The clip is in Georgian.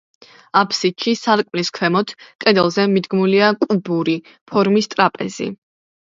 აფსიდში, სარკმლის ქვემოთ, კედელზე, მიდგმულია კუბური ფორმის ტრაპეზი.